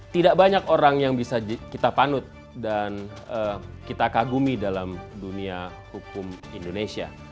tidak banyak orang yang bisa kita panut dan kita kagumi dalam dunia hukum indonesia